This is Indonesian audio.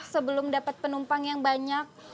sebelum dapat penumpang yang banyak